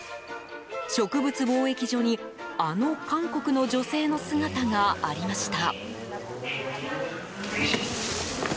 植物防疫所にあの韓国の女性の姿がありました。